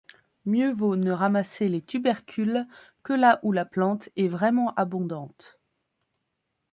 Mieux vaut ne ramasser les tubercules que là où la plante est vraiment abondante.